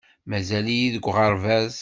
Mazal-iyi deg uɣerbaz.